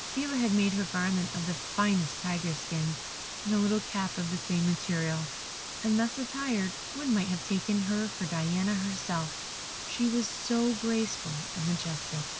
Phila had made her garment of the finest tigers' skins, and a little cap of the same material; and thus attired, one might have taken her for Diana herself, she was so graceful and majestic.